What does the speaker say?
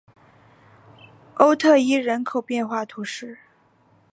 欧特伊人口变化图示